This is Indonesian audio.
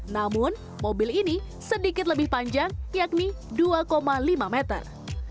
namun mobil ini sedikit lebih panjang yakni dua lima meter